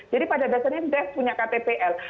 jadi pada dasarnya sudah punya ktpl